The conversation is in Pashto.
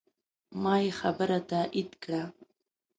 ما یې خبره تایید کړه.